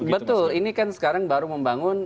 betul ini kan sekarang baru membangun